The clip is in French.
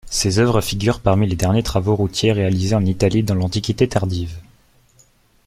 Ces œuvres figurent parmi les derniers travaux routiers réalisés en Italie dans l'Antiquité tardive.